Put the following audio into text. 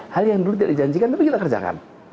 hal yang dulu tidak dijanjikan tapi kita kerjakan